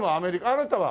あなたは？